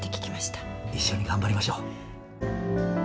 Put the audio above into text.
一緒に頑張りましょう。